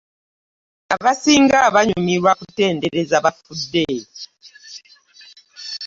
Abasinga banyumirwa kutendereza bafudde.